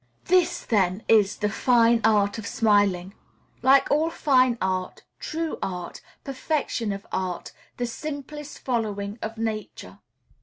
This, then, is "the fine art of smiling;" like all fine art, true art, perfection of art, the simplest following of Nature.